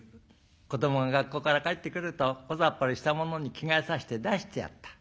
子どもが学校から帰ってくるとこざっぱりしたものに着替えさせて出してやった。